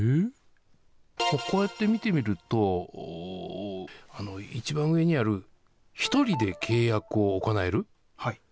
こうやって見てみると、一番上にある１人で契約を行える。